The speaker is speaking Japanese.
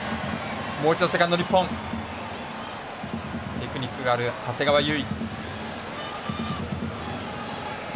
テクニックがある長谷川唯。